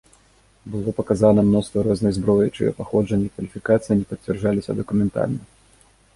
Было паказана мноства рознай зброі, чыё паходжанне і кваліфікацыя не пацвярджаліся дакументальна.